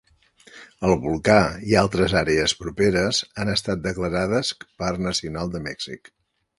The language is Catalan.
El volcà i altres àrees properes han estat declarades Parc Nacional de Mèxic.